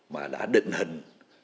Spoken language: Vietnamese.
mà đã định hình